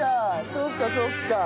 そっかそっか。